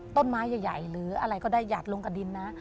ต้นไม้ใหญ่หรืออะไรก็ได้หยัดลงกับดินนะ